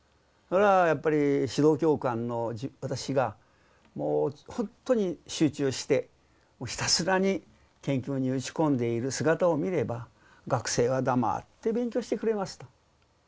それはやっぱり指導教官の私がもうほんとに集中してひたすらに研究に打ち込んでいる姿を見れば学生は黙って勉強してくれますと。